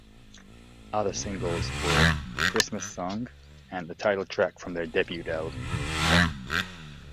Other singles were "Christmas Song" and the title track from their debut album.